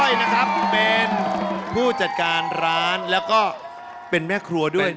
ด้วยนะครับเป็นผู้จัดการร้านแล้วก็เป็นแม่ครัวด้วย